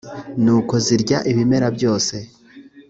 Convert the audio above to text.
nuko zirya ibimera byose